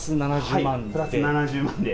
もうプラス７０万で？